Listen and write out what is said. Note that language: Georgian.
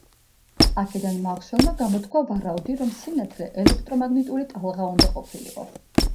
აქედან მაქსველმა გამოთქვა ვარაუდი, რომ სინათლე ელექტრომაგნიტური ტალღა უნდა ყოფილიყო.